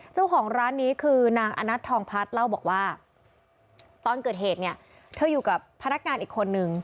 เจ้าของร้านนี้คือนางอนัททองพัฒน์เล่าบอกว่าตอนเกิดเหตุเนี่ยเธออยู่กับพนักงานอีกคนนึง